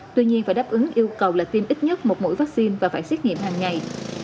tuy nhiên phải đáp ứng yêu cầu là tiêm ít nhất một mũi vaccine và phải xét nghiệm hàng ngày